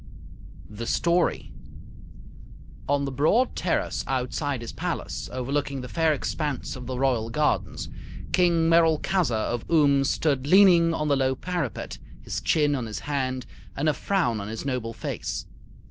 THE STORY On the broad terrace outside his palace, overlooking the fair expanse of the Royal gardens, King Merolchazzar of Oom stood leaning on the low parapet, his chin in his hand and a frown on his noble face.